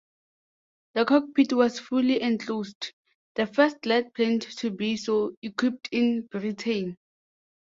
The cockpit was fully enclosed, the first lightplane to be so equipped in Britain.